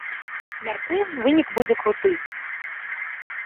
Мяркуем, вынік будзе круты.